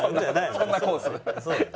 そんなコース。